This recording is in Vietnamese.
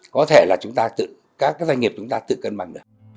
có thể là các doanh nghiệp chúng ta tự cân bằng được